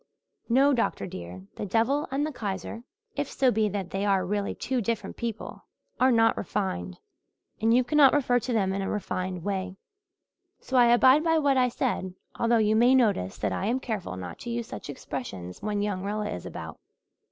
"No, doctor, dear, the devil and the Kaiser if so be that they are really two different people are not refined. And you cannot refer to them in a refined way. So I abide by what I said, although you may notice that I am careful not to use such expressions when young Rilla is about.